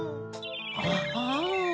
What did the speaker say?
アハン。